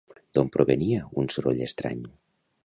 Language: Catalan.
D'on provenia un soroll estrany?